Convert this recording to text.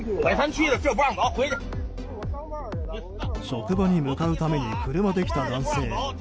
職場に向かうために車で来た男性。